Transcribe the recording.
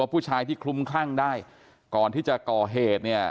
ผู้ชายที่คลุมคลั่งได้ก่อนที่จะก่อเหตุเนี่ย